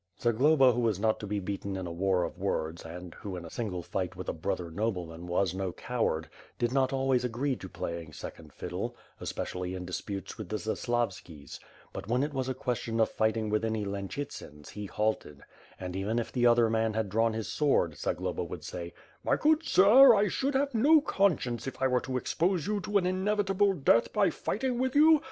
Zagloba who was not to be beaten in a war of words, and who in single fight with a 540 WITH FIRE AND SWORD. brother nobleman was no coward, did not always agree to playing second fiddle, especially in disputes with the Zas lavskis; but, when it was a question of fighting with any Lenchytsans, he halted; and, even if the other man had drawn his sword, Zagloba would say: "My good sir, I should have no conscience if I were to expose you to an inevitable death by fighting with you.